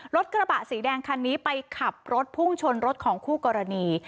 รถกระบะสีแดงคันนี้ไปขับรถพุ่งชนรถของคู่กรณี